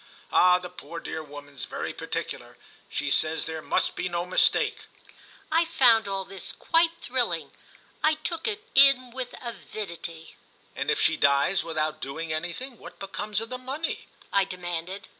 Ah the poor dear woman's very particular—she says there must be no mistake." I found all this quite thrilling—I took it in with avidity. "And if she dies without doing anything, what becomes of the money?" I demanded.